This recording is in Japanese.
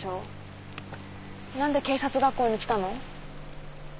何で警察学校に来たの？